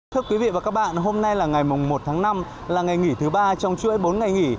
thưa quý vị và các bạn hôm nay là ngày một tháng năm là ngày nghỉ thứ ba trong chuỗi bốn ngày nghỉ